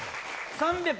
３００